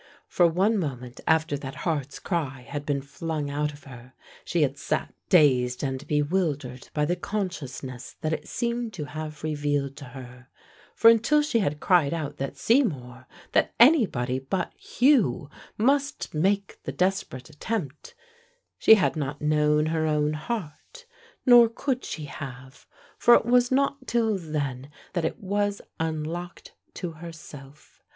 For one moment after that heart's cry had been flung out of her she had sat dazed and bewildered by the consciousness that it seemed to have revealed to her, for until she had cried out that Seymour, that anybody but Hugh, must make the desperate attempt, she had not known her own heart, nor could she have, for it was not till then that it was unlocked to herself.